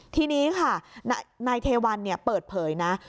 ทีนี้ค่ะนายเทวันเปิดเผยนะ